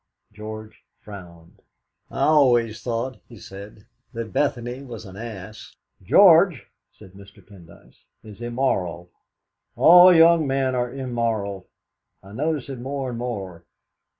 George frowned. "I always thought," he said, "that Bethany was an ass." "George," said Mr. Pendyce, "is immoral. All young men are immoral. I notice it more and more.